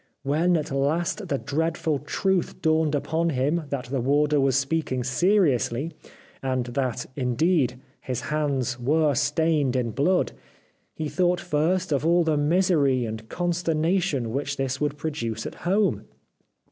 When at last the dreadful truth dawned upon him that the warder was speaking seriously, and that, indeed, his hands were stained in blood, he thought first of all of the misery and consternation which this would produce at home.